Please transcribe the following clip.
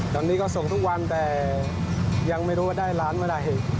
ตอนนี้ก็ส่งทุกวันแต่ยังไม่รู้ว่าได้ร้านเมื่อไหร่